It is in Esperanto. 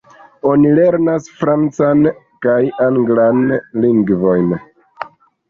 Oni lernas francan kaj anglan lingvojn.